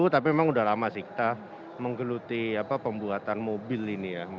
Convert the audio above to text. tapi memang sudah lama sih kita menggeluti pembuatan mobil ini ya